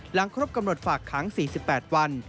หลังครบกำหนดฝากค้าง๔๘วัน